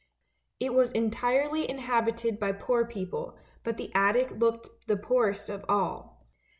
It was entirely inhabited by poor people, but the attic looked the poorest of all.